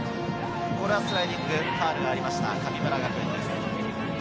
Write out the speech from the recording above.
スライディングはファウルがありました、神村学園です。